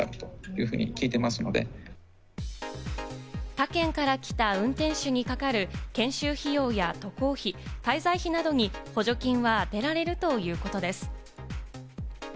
他県から来た運転手にかかる研修費用や渡航費・滞在費などに補助金は当てられるということです。